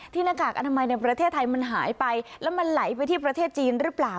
หน้ากากอนามัยในประเทศไทยมันหายไปแล้วมันไหลไปที่ประเทศจีนหรือเปล่า